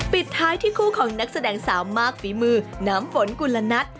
ปิดท้ายที่คู่ของนักแสดงสาวมากฝีมือน้ำฝนกุลนัท